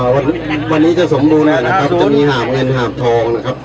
วันนี้จะสมบูรณ์แล้วนะครับจะมีหาบเงินหาบทองนะครับ